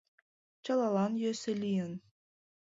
— Чылалан йӧсӧ лийын...